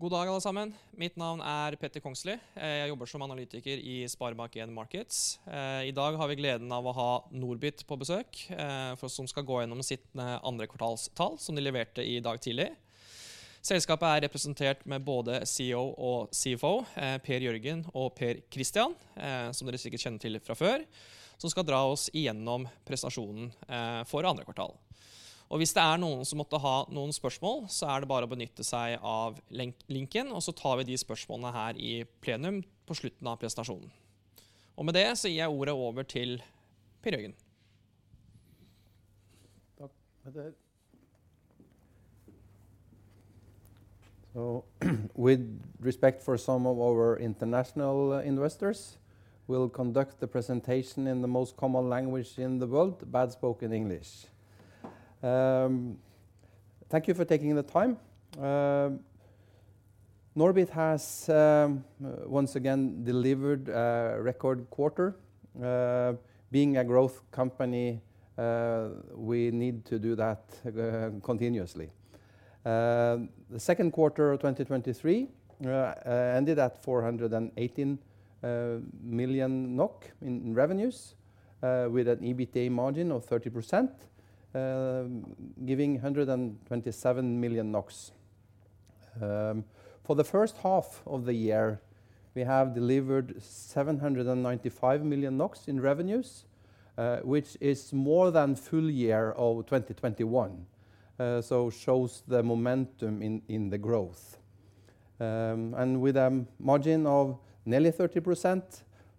Good day, everyone. My name is Petter Kongslie. I work as an analyst at SpareBank 1 Markets. Today we have the pleasure of having NORBIT visit, so they can go through their second quarter results, which they delivered earlier today. The company is represented by both CEO and CFO, Per Jørgen and Per Kristian, as you probably know them from before, who are going to take us through the performance for the second quarter. If anyone has any questions, please feel free to use the link, and we'll take those questions here in the plenum at the end of the presentation. With that, I'll turn it over to Per Jørgen. Takk, Petter. With respect for some of our international investors, we'll conduct the presentation in the most common language in the world: bad spoken English. Thank you for taking the time. NORBIT has once again delivered a record quarter. Being a growth company, we need to do that continuously. The second quarter of 2023 ended at 418 million NOK in revenues, with an EBITDA margin of 30%, giving 127 million NOK. For the first half of the year, we have delivered 795 million NOK in revenues, which is more than full year of 2021, shows the momentum in the growth. With a margin of nearly 30%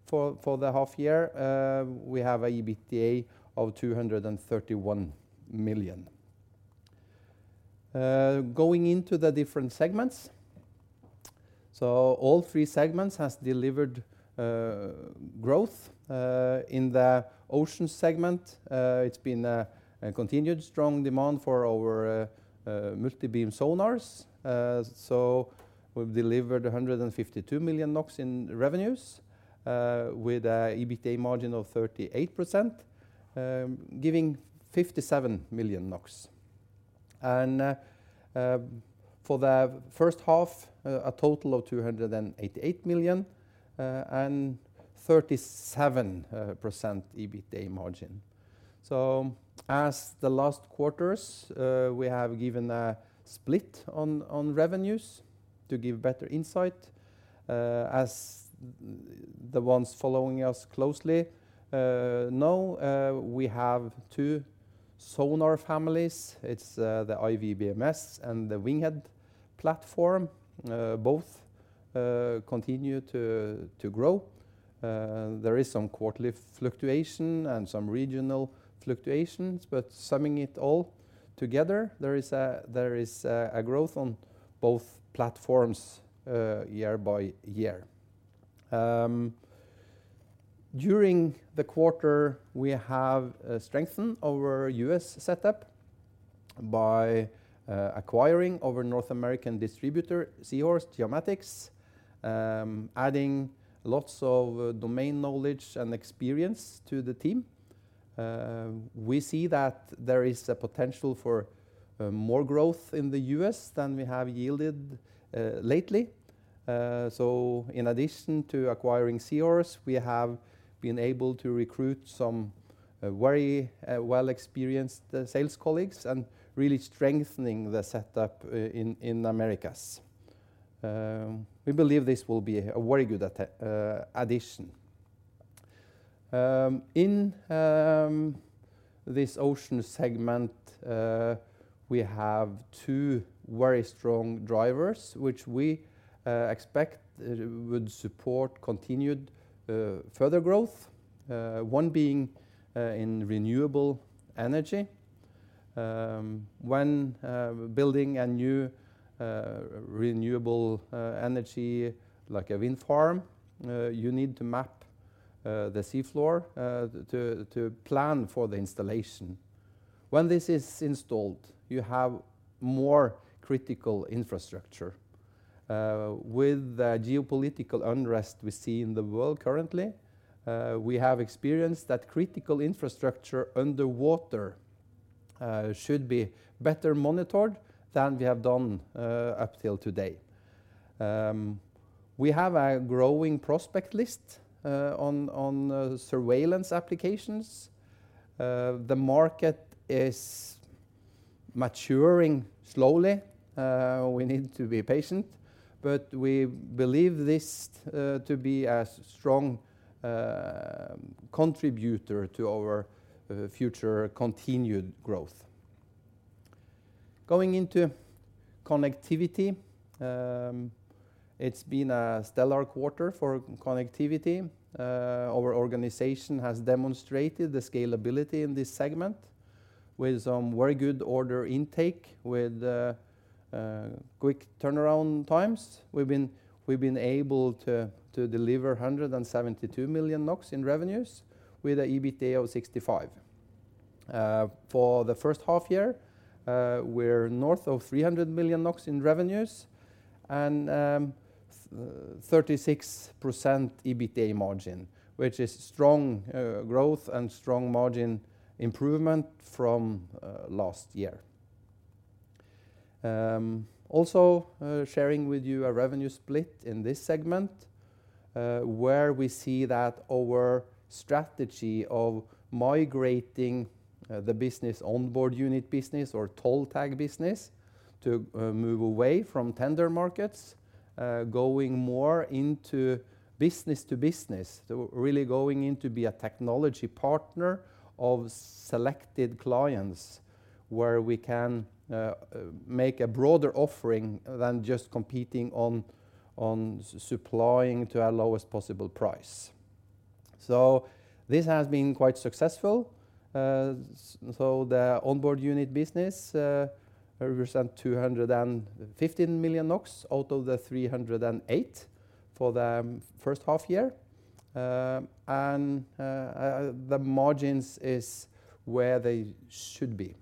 for, for the half year, we have a EBITDA of 231 million. Going into the different segments. All three segments has delivered growth. In the Oceans segment, it's been a continued strong demand for our multibeam sonars. We've delivered 152 million NOK in revenues with a EBITDA margin of 38%, giving NOK 57 million. For the first half, a total of 288 million and 37% EBITDA margin. As the last quarters, we have given a split on, on revenues to give better insight. As the ones following us closely know, we have two sonar families. It's the iWBMS and the WINGHEAD platform. Both continue to, to grow. There is some quarterly fluctuation and some regional fluctuations, but summing it all together, there is a, there is a, a growth on both platforms, year-over-year. During the quarter, we have strengthened our US setup by acquiring our North American distributor, Seahorse Geomatics, adding lots of domain knowledge and experience to the team. We see that there is a potential for more growth in the US than we have yielded lately. In addition to acquiring Seahorse, we have been able to recruit some very well-experienced sales colleagues and really strengthening the setup in Americas. We believe this will be a very good addition. In this Oceans segment, we have two very strong drivers, which we expect would support continued further growth, one being in renewable energy. When building a new renewable energy, like a wind farm, you need to map the sea floor to plan for the installation. When this is installed, you have more critical infrastructure. With the geopolitical unrest we see in the world currently, we have experienced that critical infrastructure underwater should be better monitored than we have done up till today. We have a growing prospect list on on surveillance applications. The market is maturing slowly. We need to be patient, but we believe this to be a strong contributor to our future continued growth. Going into Connectivity. It's been a stellar quarter for Connectivity. Our organization has demonstrated the scalability in this segment with some very good order intake, with quick turnaround times. We've been able to deliver 172 million NOK in revenues, with an EBITDA of 65%. For the first half year, we're north of 300 million NOK in revenues and 36% EBITDA margin, which is strong growth and strong margin improvement from last year. Also, sharing with you a revenue split in this segment, where we see that our strategy of migrating the business, onboard unit business or toll tag business, to move away from tender markets, going more into business to business. Really going in to be a technology partner of selected clients, where we can make a broader offering than just competing on, on s-supplying to our lowest possible price. This has been quite successful. S- so the onboard unit business represent 215 million NOK out of the 308 for the first half-year. The margins is where they should be.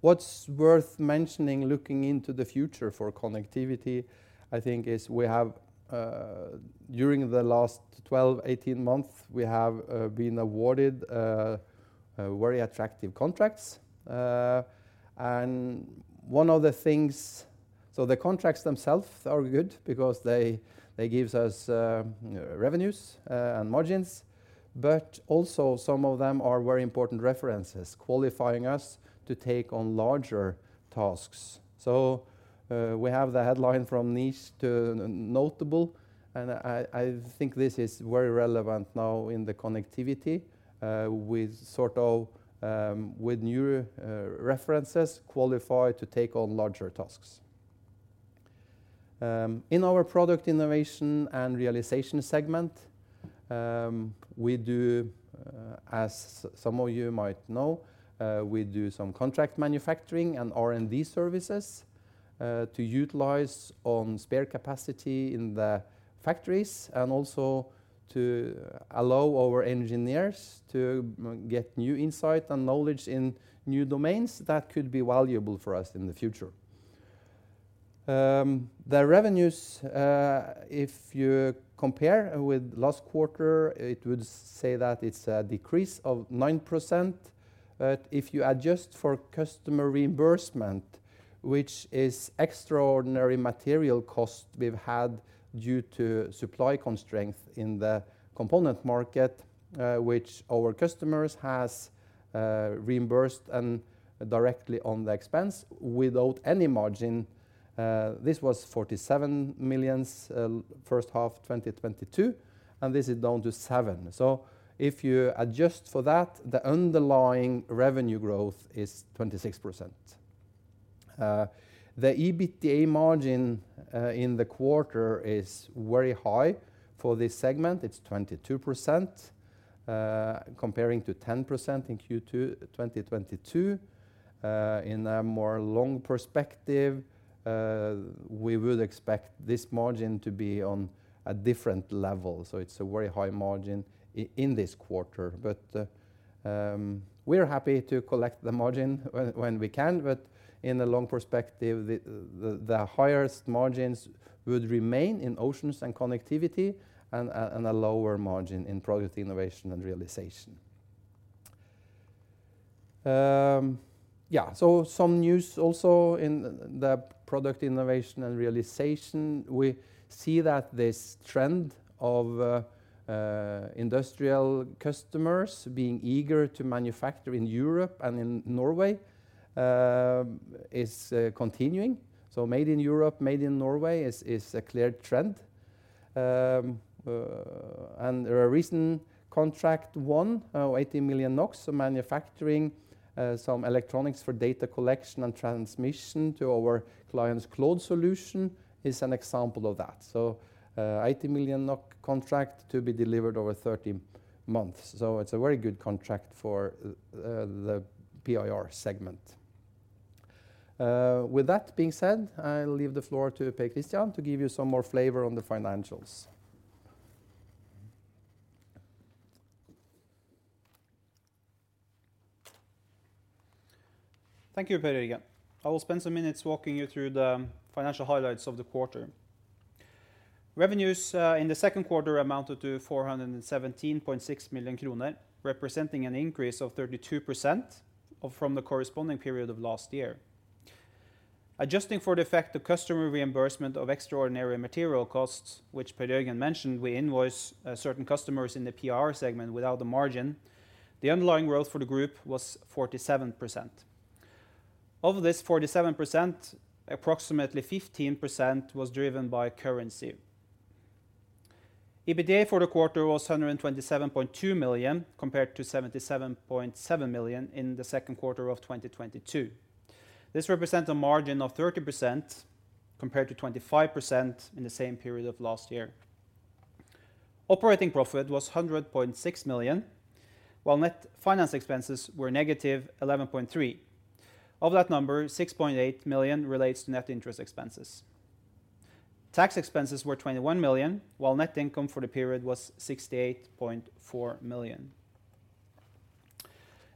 What's worth mentioning, looking into the future for Connectivity, I think is we have... During the last 12, 18 months, we have been awarded very attractive contracts. One of the things- so the contracts themselves are good because they, they gives us revenues and margins, but also some of them are very important references, qualifying us to take on larger tasks. We have the headline from nice to notable, and I, I think this is very relevant now in the Connectivity, with sort of, with new, references qualified to take on larger tasks. In our Product Innovation & Realization segment, we do, as some of you might know, we do some contract manufacturing and R&D services, to utilize on spare capacity in the factories, and also to allow our engineers to get new insight and knowledge in new domains that could be valuable for us in the future. The revenues, if you compare with last quarter, it would say that it's a decrease of 9%. If you adjust for customer reimbursement, which is extraordinary material cost we've had due to supply constraint in the component market, which our customers has reimbursed and directly on the expense without any margin, this was 47 million, first half, 2022, and this is down to 7 million. If you adjust for that, the underlying revenue growth is 26%. The EBITDA margin in the quarter is very high for this segment. It's 22%, comparing to 10% in Q2, 2022. In a more long perspective, we would expect this margin to be on a different level, so it's a very high margin in this quarter. We are happy to collect the margin when, when we can, but in the long perspective, the, the, the highest margins would remain in Oceans and Connectivity and a, and a lower margin in Product Innovation & Realization. Yeah, some news also in the Product Innovation & Realization. We see that this trend of industrial customers being eager to manufacture in Europe and in Norway is continuing. Made in Europe, made in Norway is, is a clear trend. A recent contract won 80 million NOK, manufacturing some electronics for data collection and transmission to our client's cloud solution, is an example of that. 80 million NOK contract to be delivered over 13 months. It's a very good contract for the PIR segment. With that being said, I'll leave the floor to Per Kristian to give you some more flavor on the financials. Thank you, Per Jørgen. I will spend some minutes walking you through the financial highlights of the quarter. Revenues in the second quarter amounted to 417.6 million kroner, representing an increase of 32% from the corresponding period of last year. Adjusting for the effect of customer reimbursement of extraordinary material costs, which Per Jørgen mentioned, we invoice certain customers in the PIR segment without the margin, the underlying growth for the group was 47%. Of this 47%, approximately 15% was driven by currency. EBITDA for the quarter was 127.2 million, compared to 77.7 million in the second quarter of 2022. This represents a margin of 30%, compared to 25% in the same period of last year. Operating profit was 100.6 million, while net finance expenses were -11.3 million. Of that number, 6.8 million relates to net interest expenses. Tax expenses were 21 million, while net income for the period was 68.4 million.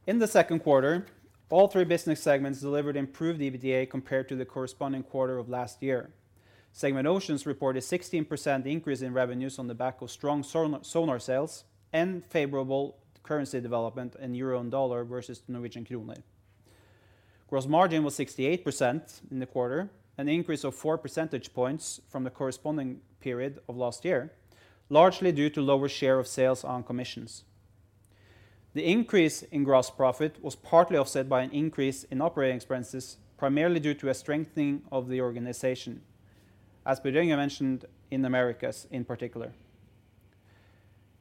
In the second quarter, all three business segments delivered improved EBITDA compared to the corresponding quarter of last year. Segment Oceans reported 16% increase in revenues on the back of strong sonar, sonar sales and favorable currency development in euro and dollar versus the Norwegian kroner. Gross margin was 68% in the quarter, an increase of four percentage points from the corresponding period of last year, largely due to lower share of sales on commissions. The increase in gross profit was partly offset by an increase in operating expenses, primarily due to a strengthening of the organization, as Per Jørgen mentioned in Americas in particular.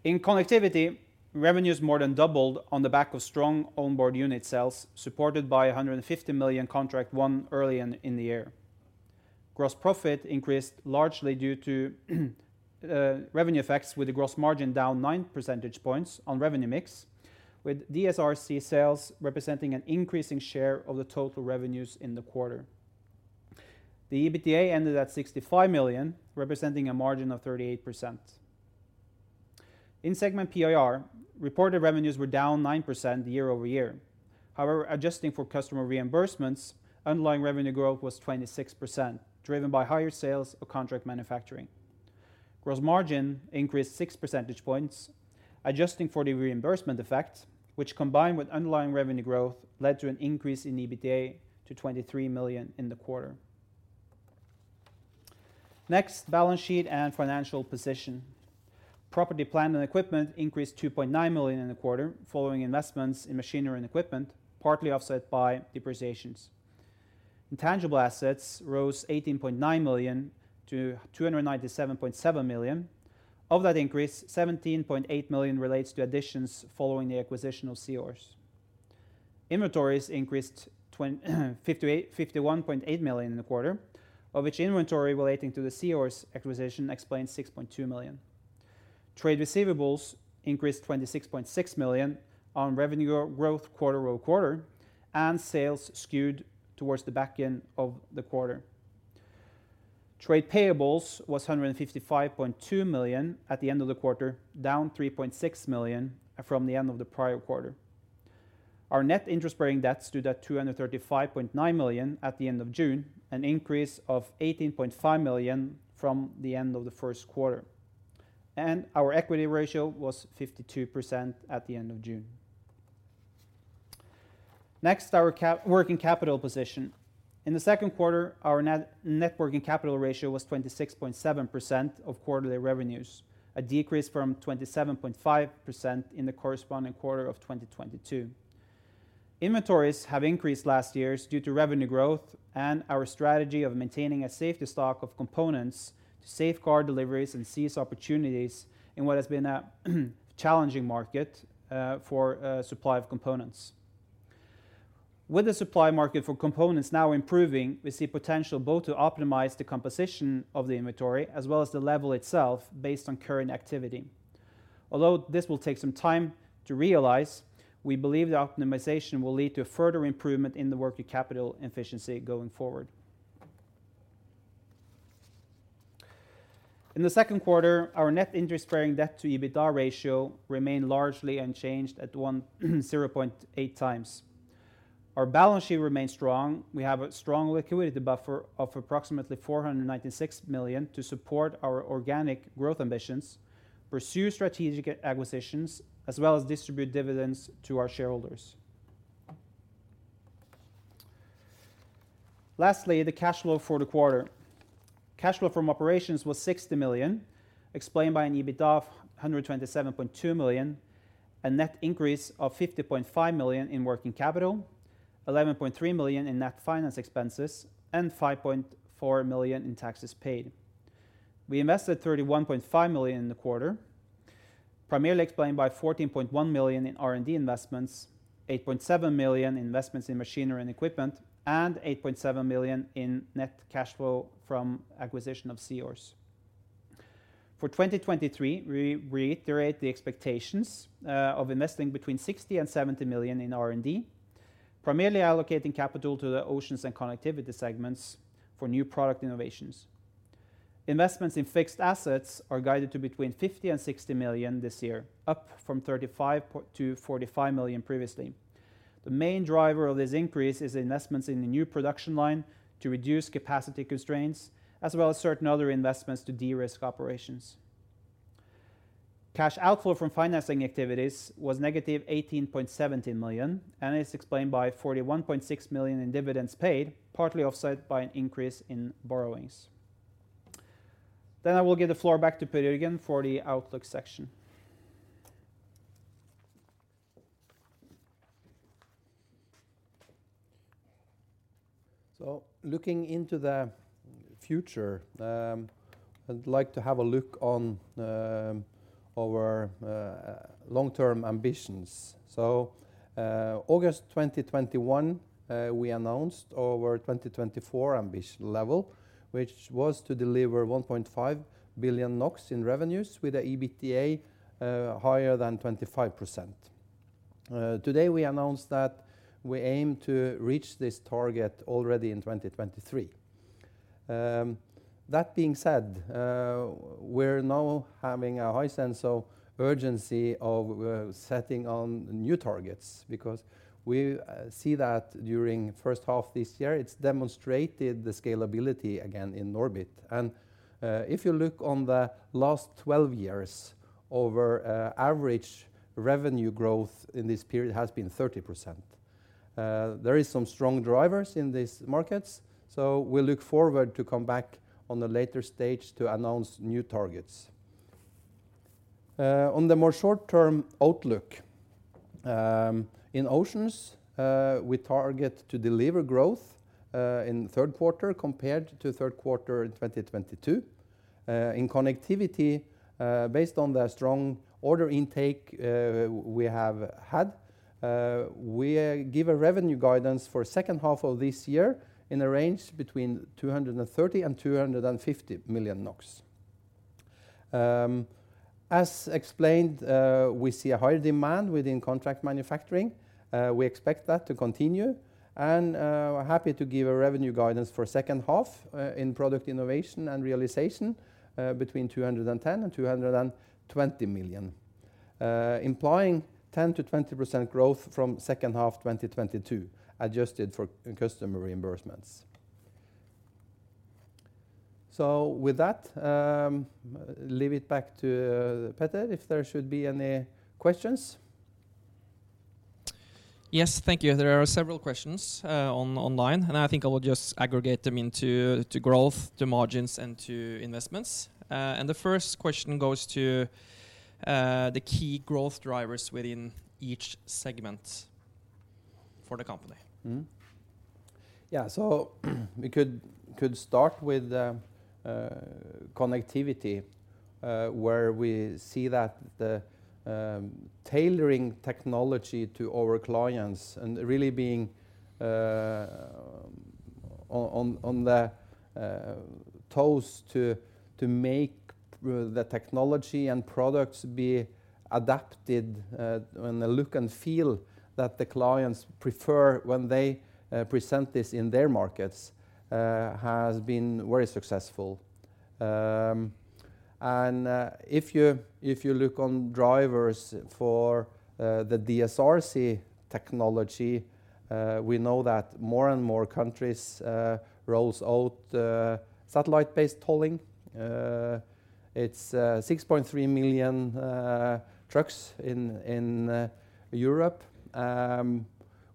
In Connectivity, revenues more than doubled on the back of strong onboard unit sales, supported by a 150 million contract won early in the year. Gross profit increased largely due to revenue effects, with the gross margin down 9 percentage points on revenue mix, with DSRC sales representing an increasing share of the total revenues in the quarter. The EBITDA ended at 65 million, representing a margin of 38%. In segment PIR, reported revenues were down 9% year-over-year. However, adjusting for customer reimbursements, underlying revenue growth was 26%, driven by higher sales of contract manufacturing. Gross margin increased 6 percentage points, adjusting for the reimbursement effect, which, combined with underlying revenue growth, led to an increase in EBITDA to 23 million in the quarter. Next, balance sheet and financial position. Property, plant, and equipment increased 2.9 million in the quarter, following investments in machinery and equipment, partly offset by depreciations. Intangible assets rose 18.9 million to 297.7 million. Of that increase, 17.8 million relates to additions following the acquisition of Seahorse. Inventories increased 51.8 million in the quarter, of which inventory relating to the Seahorse acquisition explains 6.2 million. Trade receivables increased 26.6 million on revenue growth quarter-over-quarter, and sales skewed towards the back end of the quarter. Trade payables was 155.2 million at the end of the quarter, down 3.6 million from the end of the prior quarter. Our net interest-bearing debt stood at 235.9 million at the end of June, an increase of 18.5 million from the end of the first quarter. Our equity ratio was 52% at the end of June. Next, our working capital position. In the second quarter, our net, net working capital ratio was 26.7% of quarterly revenues, a decrease from 27.5% in the corresponding quarter of 2022. Inventories have increased last year's due to revenue growth and our strategy of maintaining a safety stock of components to safeguard deliveries and seize opportunities in what has been a challenging market for supply of components. With the supply market for components now improving, we see potential both to optimize the composition of the inventory as well as the level itself based on current activity. Although this will take some time to realize, we believe the optimization will lead to a further improvement in the working capital efficiency going forward. In the second quarter, our net interest-bearing debt to EBITDA ratio remained largely unchanged at 0.8 times. Our balance sheet remains strong. We have a strong liquidity buffer of approximately 496 million to support our organic growth ambitions, pursue strategic acquisitions, as well as distribute dividends to our shareholders. Lastly, the cash flow for the quarter. Cash flow from operations was 60 million, explained by an EBITDA of 127.2 million, a net increase of 50.5 million in working capital, 11.3 million in net finance expenses, and 5.4 million in taxes paid. We invested 31.5 million in the quarter, primarily explained by 14.1 million in R&D investments, 8.7 million investments in machinery and equipment, and 8.7 million in net cash flow from acquisition of Seahorse. For 2023, we reiterate the expectations of investing between 60 million-70 million in R&D, primarily allocating capital to the Oceans and Connectivity segments for new product innovations. Investments in fixed assets are guided to between 50 million-60 million this year, up from 35 million-45 million previously. The main driver of this increase is investments in the new production line to reduce capacity constraints, as well as certain other investments to de-risk operations. Cash outflow from financing activities was negative 18.17 million, and it's explained by 41.6 million in dividends paid, partly offset by an increase in borrowings. I will give the floor back to Per Jørgen for the outlook section. Looking into the future, I'd like to have a look on our long-term ambitions. August 2021, we announced our 2024 ambition level, which was to deliver 1.5 billion NOK in revenues with a EBITDA higher than 25%. Today, we announced that we aim to reach this target already in 2023. That being said, we're now having a high sense of urgency of setting on new targets because we see that during first half this year, it's demonstrated the scalability again in NORBIT. If you look on the last 12 years, over average revenue growth in this period has been 30%. There is some strong drivers in these markets, so we look forward to come back on a later stage to announce new targets. On the more short-term outlook, in Oceans, we target to deliver growth in the third quarter compared to third quarter in 2022. In Connectivity, based on the strong order intake we have had, we give a revenue guidance for second half of this year in the range between 230 million and 250 million NOK. As explained, we see a higher demand within contract manufacturing. We expect that to continue, and we're happy to give a revenue guidance for second half in Product Innovation & Realization, between 210 million and 220 million, implying 10%-20% growth from second half 2022, adjusted for customer reimbursements. With that, leave it back to Petter, if there should be any questions. Yes. Thank you. There are several questions, online, and I think I will just aggregate them into to growth, to margins, and to investments. The first question goes to, the key growth drivers within each segment for the company. We could, could start with the Connectivity, where we see that the tailoring technology to our clients and really being on, on, on the toes to, to make the technology and products be adapted, and the look and feel that the clients prefer when they present this in their markets, has been very successful. If you, if you look on drivers for the DSRC technology, we know that more and more countries rolls out satellite-based tolling. It's 6.3 million trucks in Europe.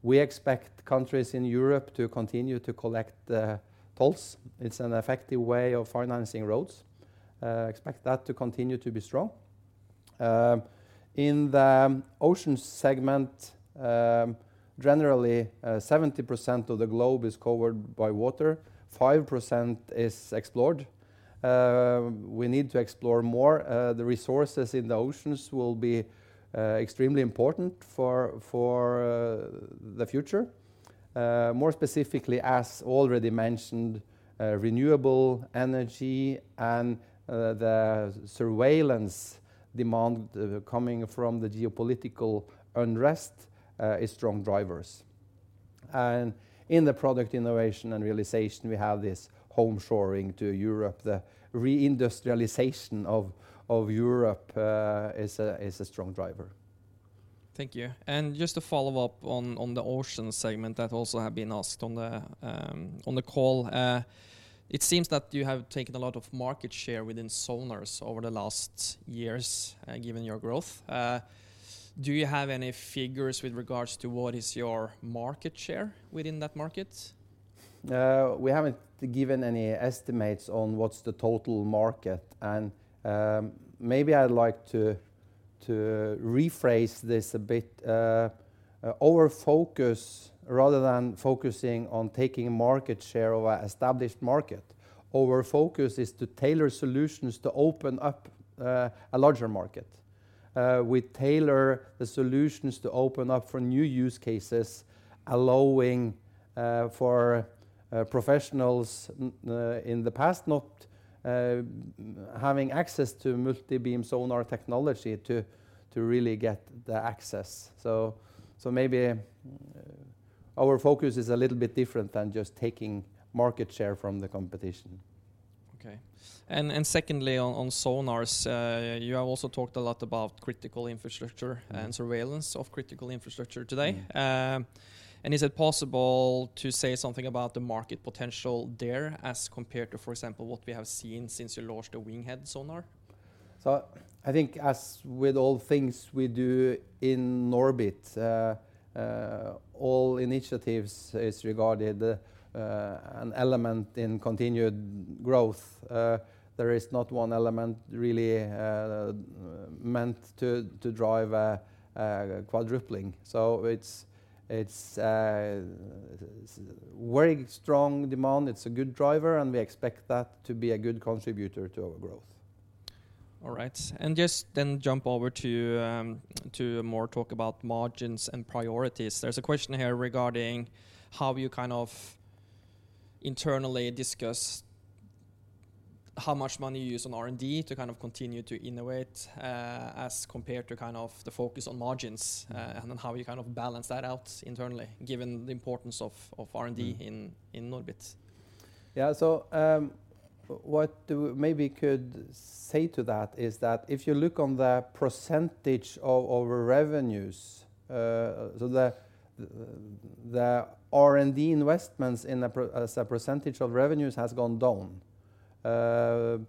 We expect countries in Europe to continue to collect the tolls. It's an effective way of financing roads. Expect that to continue to be strong. In the Oceans segment, generally, 70% of the globe is covered by water, 5% is explored. We need to explore more. The resources in the oceans will be extremely important for, for, the future. More specifically, as already mentioned, renewable energy and the surveillance demand, coming from the geopolitical unrest, is strong drivers. In the Product Innovation & Realization, we have this homeshoring to Europe. The re-industrialization of, of Europe, is a, is a strong driver. Thank you. Just to follow up on, on the Oceans segment that also have been asked on the call. It seems that you have taken a lot of market share within sonars over the last years, given your growth. Do you have any figures with regards to what is your market share within that market? We haven't given any estimates on what's the total market. Maybe I'd like to, to rephrase this a bit. Our focus, rather than focusing on taking market share of an established market, our focus is to tailor solutions to open up a larger market. We tailor the solutions to open up for new use cases, allowing for professionals in the past not having access to multibeam sonar technology to, to really get the access. Maybe our focus is a little bit different than just taking market share from the competition. Okay. Secondly, on, on sonars, you have also talked a lot about critical infrastructure... Mm-hmm surveillance of critical infrastructure today. Mm-hmm. Is it possible to say something about the market potential there as compared to, for example, what we have seen since you launched the WINGHEAD sonar? I think as with all things we do in NORBIT, all initiatives is regarded an element in continued growth. There is not one element really meant to drive a quadrupling. It's a very strong demand, it's a good driver, and we expect that to be a good contributor to our growth. All right. just then jump over to, to more talk about margins and priorities. There's a question here regarding how you kind of internally discuss how much money you use on R&D to kind of continue to innovate, as compared to kind of the focus on margins, and then how you kind of balance that out internally, given the importance of, of R&D. Mm... in, in NORBIT? Yeah. What we maybe could say to that is that if you look on the % of our revenues, the R&D investments as a % of revenues has gone down. One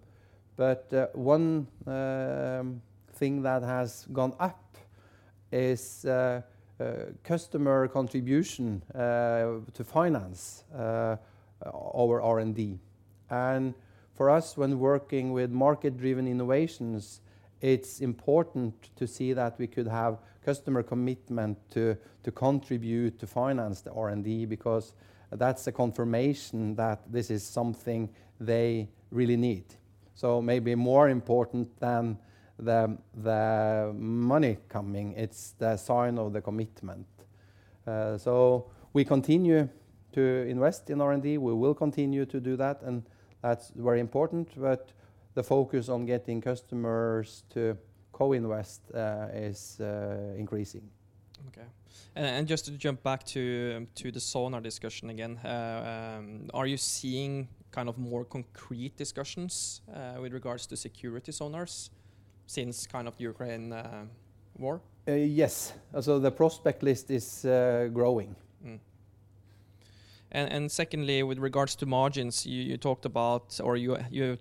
thing that has gone up is customer contribution to finance our R&D. For us, when working with market-driven innovations, it's important to see that we could have customer commitment to contribute, to finance the R&D, because that's a confirmation that this is something they really need. Maybe more important than the money coming, it's the sign of the commitment. We continue to invest in R&D. We will continue to do that, and that's very important. The focus on getting customers to co-invest is increasing. Okay. Just to jump back to the sonar discussion again, are you seeing kind of more concrete discussions with regards to security sonars since kind of the Ukraine war? Yes. The prospect list is growing. Mm. secondly, with regards to margins, you, you talked about, or you, you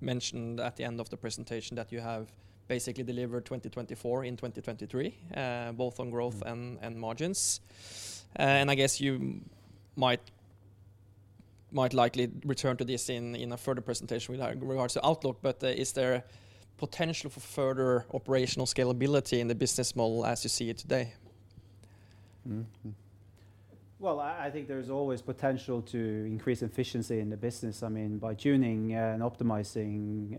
mentioned at the end of the presentation that you have basically delivered 2024 in 2023, both on growth-. Mm... and, and margins. I guess you might, might likely return to this in, in a further presentation with regards to outlook, but, is there potential for further operational scalability in the business model as you see it today? Well, I, I think there's always potential to increase efficiency in the business, I mean, by tuning and optimizing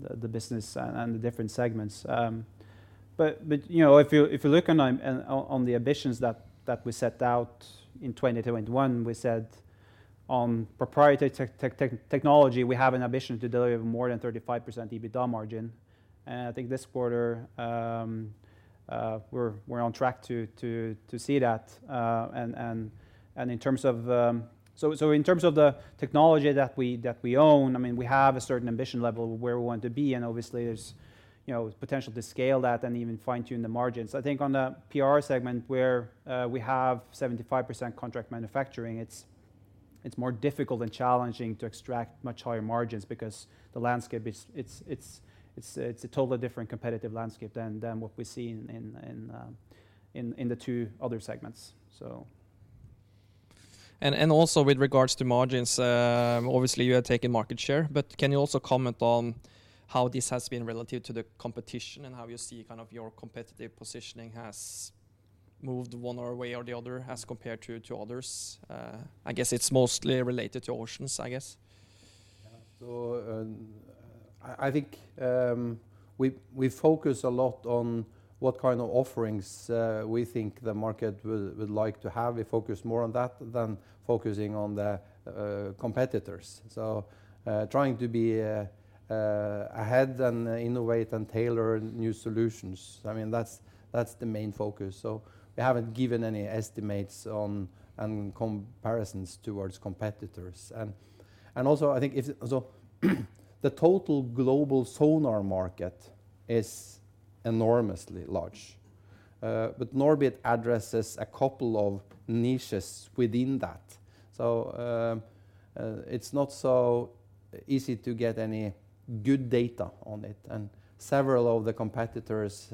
the, the business and, and the different segments. But, you know, if you, if you look on, on, on the ambitions that, that we set out in 2021, we said on proprietary tech-tech-tech- technology, we have an ambition to deliver more than 35% EBITDA margin. I think this quarter, we're, we're on track to, to, to see that. And, and in terms of... So, so in terms of the technology that we, that we own, I mean, we have a certain ambition level of where we want to be, and obviously, there's, you know, potential to scale that and even fine-tune the margins. I think on the PIR segment where we have 75% contract manufacturing, it's, it's more difficult and challenging to extract much higher margins because the landscape is it's, it's, it's a totally different competitive landscape than what we see in the 2 other segments, so. Also with regards to margins, obviously, you are taking market share, but can you also comment on how this has been relative to the competition, and how you see kind of your competitive positioning has moved one or way or the other? Mm... as compared to, to others? I guess it's mostly related to Oceans, I guess. Yeah. I, I think, we, we focus a lot on what kind of offerings, we think the market would, would like to have. We focus more on that than focusing on the competitors. Trying to be ahead and innovate and tailor new solutions, I mean, that's, that's the main focus, so we haven't given any estimates on, and comparisons towards competitors. Also, I think if... The total global sonar market is enormously large, but NORBIT addresses a couple of niches within that. It's not so easy to get any good data on it, and several of the competitors,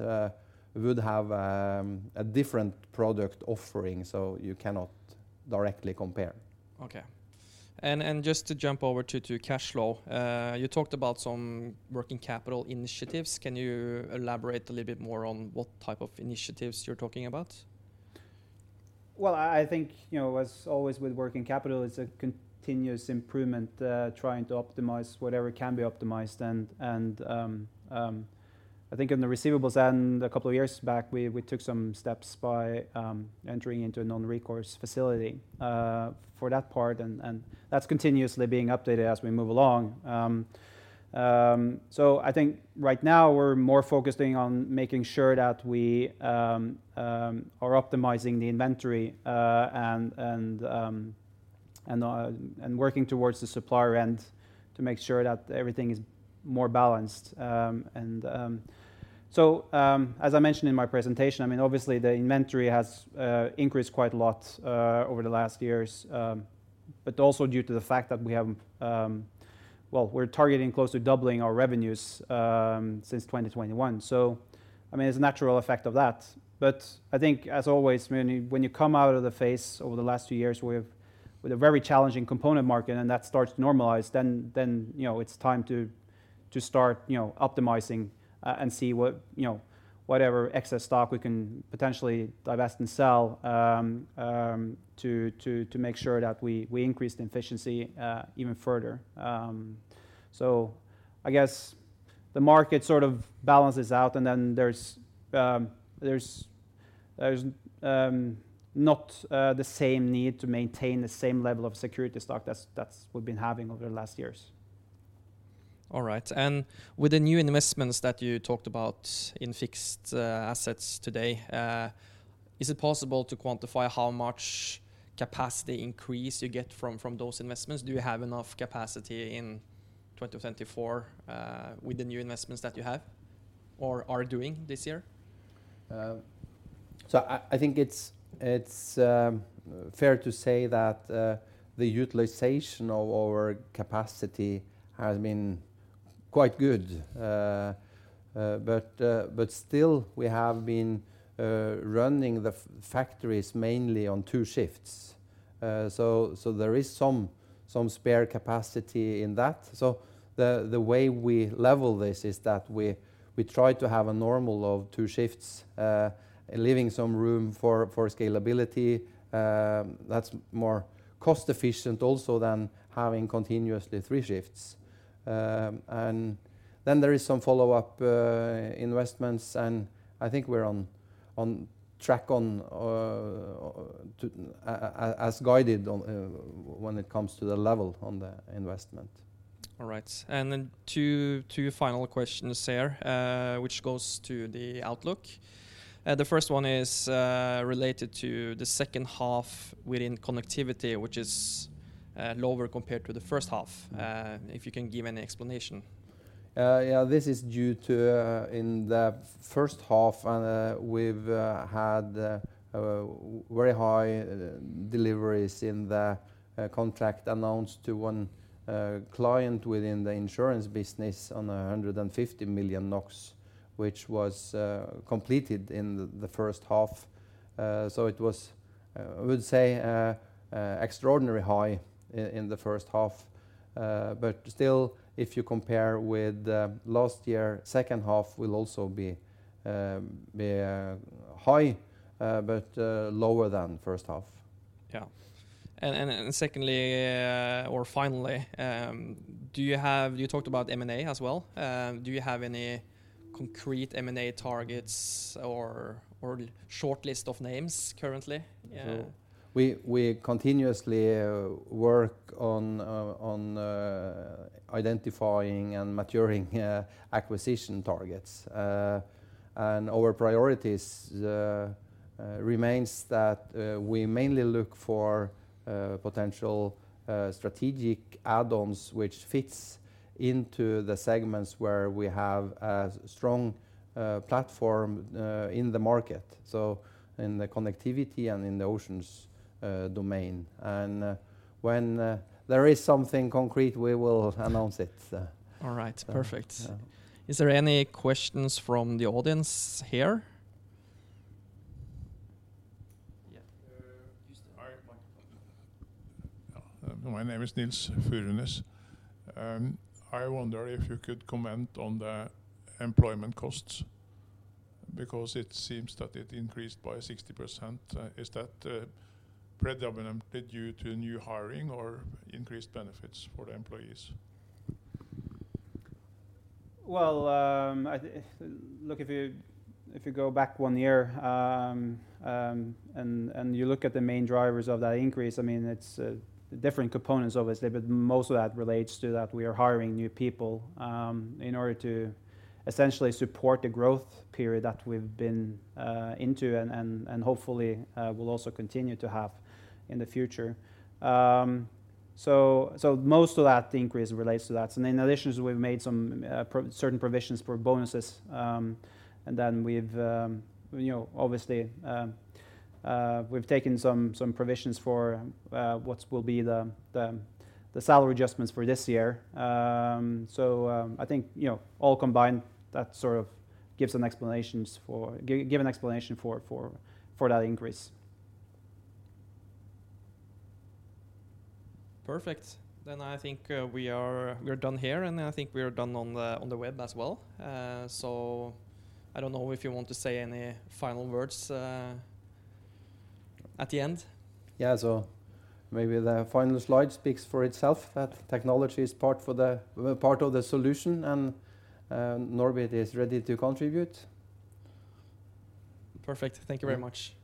would have a different product offering, so you cannot directly compare. Okay. Just to jump over to, to cash flow, you talked about some working capital initiatives. Can you elaborate a little bit more on what type of initiatives you're talking about? Well, I, I think, you know, as always, with working capital, it's a continuous improvement, trying to optimize whatever can be optimized. I think on the receivables end, a couple of years back, we, we took some steps by, entering into a non-recourse facility, for that part, and that's continuously being updated as we move along. I think right now, we're more focusing on making sure that we, are optimizing the inventory, and, and, and working towards the supplier end to make sure that everything is more balanced. As I mentioned in my presentation, I mean, obviously the inventory has, increased quite a lot, over the last years, but also due to the fact that we have... We're targeting close to doubling our revenues, since 2021, so I mean, it's a natural effect of that. I think, as always, when you, when you come out of the phase over the last few years with, with a very challenging component market, and that starts to normalize, then, then, you know, it's time to, to start, you know, optimizing, and see what, you know, whatever excess stock we can potentially divest and sell, to, to, to make sure that we, we increase the efficiency, even further. I guess the market sort of balances out, and then there's, there's...... there's not the same need to maintain the same level of security stock that's, that's we've been having over the last years. All right. With the new investments that you talked about in fixed assets today, is it possible to quantify how much capacity increase you get from those investments? Do you have enough capacity in 2024 with the new investments that you have or are doing this year? I, I think it's, it's fair to say that the utilization of our capacity has been quite good. But still we have been running the factories mainly on two shifts. So there is some, some spare capacity in that. The, the way we level this is that we, we try to have a normal of two shifts, leaving some room for, for scalability. That's more cost efficient also than having continuously three shifts. Then there is some follow-up investments, and I think we're on, on track on to as guided on when it comes to the level on the investment. All right. Then 2 final questions here, which goes to the outlook. The first one is related to the second half within Connectivity, which is lower compared to the first half. If you can give any explanation? Yeah, this is due to. In the first half, we've had very high deliveries in the contract announced to one client within the insurance business on 150 million NOK, which was completed in the first half. It was, I would say, extraordinary high in the first half. Still, if you compare with last year, second half will also be high, but lower than first half. Yeah. Secondly, or finally, do you have. You talked about M&A as well. Do you have any concrete M&A targets or, or short list of names currently? Yeah. We, we continuously work on identifying and maturing acquisition targets. Our priorities remains that we mainly look for potential strategic add-ons, which fits into the segments where we have a strong platform in the market, so in the Connectivity and in the Oceans domain. When there is something concrete, we will announce it. All right. Perfect. Yeah. Is there any questions from the audience here? Yeah, use the microphone. My name is Nils Furunes. I wonder if you could comment on the employment costs, because it seems that it increased by 60%. Is that predominantly due to new hiring or increased benefits for the employees? Well, look, if you go back one year, and you look at the main drivers of that increase, I mean, it's different components, obviously, but most of that relates to that we are hiring new people in order to essentially support the growth period that we've been into and hopefully will also continue to have in the future. So most of that increase relates to that. Then in addition, we've made some certain provisions for bonuses. Then we've, you know, obviously, we've taken some provisions for what will be the salary adjustments for this year. I think, you know, all combined, that sort of gives some explanations for give an explanation for that increase. Perfect. I think we're done here, and I think we are done on the, on the web as well. I don't know if you want to say any final words at the end? Yeah, maybe the final slide speaks for itself, that technology is part of the solution, and NORBIT is ready to contribute. Perfect. Thank you very much.